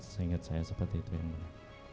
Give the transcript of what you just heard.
seingat saya seperti itu yang mulia